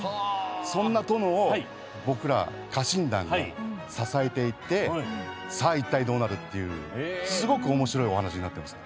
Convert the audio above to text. そんな殿を僕ら家臣団が支えていってさあ、一体、どうなるというすごくおもしろい話になってます。